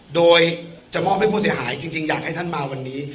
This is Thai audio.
โดยจะมอบให้ผู้เสียหายจริงอยากให้ท่านมาวันนี้